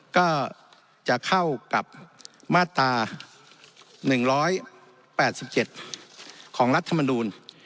ก็จะเข้ากับมาตรา๑๘๗ของรัฐมนูล